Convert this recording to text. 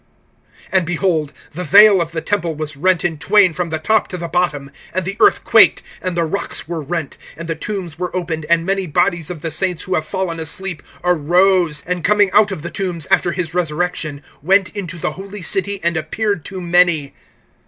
(51)And behold, the vail of the temple was rent in twain from the top to the bottom; and the earth quaked, and the rocks were rent; (52)and the tombs were opened, and many bodies of the saints who have fallen asleep arose, (53)and coming out of the tombs, after his resurrection, went into the holy city, and appeared to many.